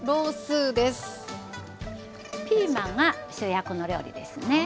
ピーマンが主役の料理ですね。